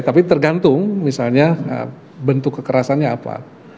tapi tergantung misalnya bentuk kekerasannya apa